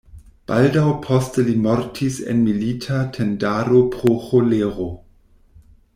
Baldaŭ poste li mortis en milita tendaro pro ĥolero.